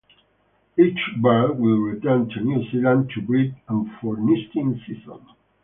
Each bird will return to New Zealand to breed and for nesting season.